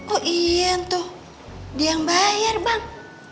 oh iya tuh dia yang bayar bang